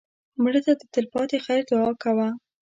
مړه ته د تل پاتې خیر دعا کوه